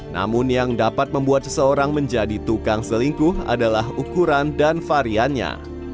namun yang dapat membuat seseorang menjadi tukang selingkuh adalah ukuran dan variannya